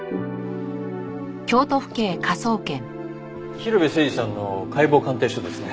広辺誠児さんの解剖鑑定書ですね。